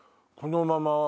このまま。